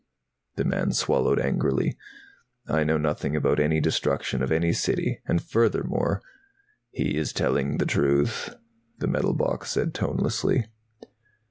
The man swallowed angrily. "I know nothing about any destruction of any city. And furthermore " "He is telling the truth," the metal box said tonelessly.